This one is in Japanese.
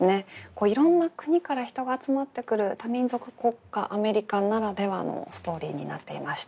いろんな国から人が集まってくる多民族国家アメリカならではのストーリーになっていました。